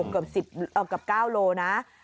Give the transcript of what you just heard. เกือบ๙โลเมตรนะ